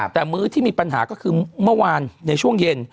แต่มื้อที่มีปัญหาก็คือเมื่อวานในช่วงเย็น